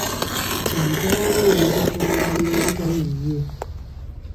Kya mutawaana omuntu okululunkanira ebitali bibye.